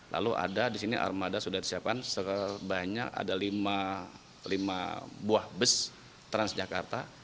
lalu ada di sini armada sudah disiapkan sebanyak ada lima buah bus transjakarta